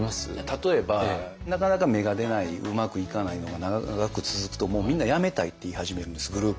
例えばなかなか芽が出ないうまくいかないのが長く続くとみんな辞めたいって言い始めるんですグループを。